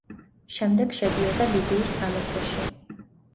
შემდეგ შედიოდა ლიდიის სამეფოში.